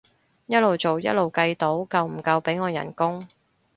一路做一路計到夠唔夠俾我人工